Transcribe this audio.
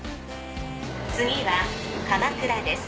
次は鎌倉です。